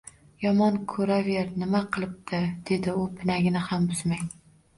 — Yomon ko’raver, nima qilibdi, – dedi u pinagini ham buzmay.